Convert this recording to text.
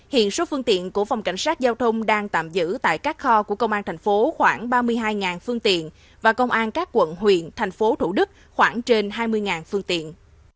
hiện số phương tiện của phòng cảnh sát giao thông đang tạm giữ tại các kho của công an thành phố khoảng ba mươi hai phương tiện và công an các quận huyện thành phố thủ đức khoảng trên hai mươi phương tiện